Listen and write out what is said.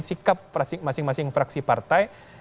bagaimana kemudian sikap masing masing fraksi partai